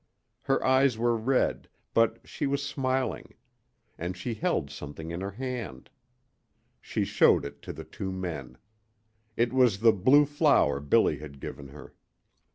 Her eyes were red, but she was smiling; and she held something in her hand. She showed it to the two men. It was the blue flower Billy had given her.